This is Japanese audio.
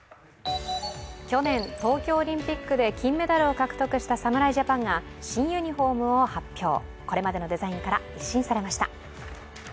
去年、東京オリンピックで金メダルを獲得した侍ジャパンが新ユニフォームを発表、これまでのデザインから一新されました。